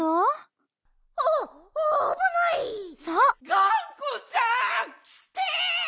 ・がんこちゃんきて！